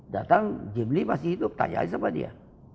datang jim lee masih hidup tanyain sama dia